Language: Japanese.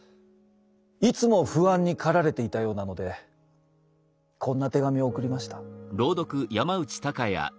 いつも不安に駆られていたようなのでこんな手紙を送りました。